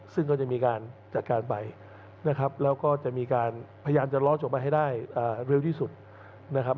ซึ่งก็จะมีการจัดการไปนะครับแล้วก็จะมีการพยายามจะล้อจบไปให้ได้เร็วที่สุดนะครับ